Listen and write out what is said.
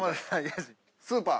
スーパー。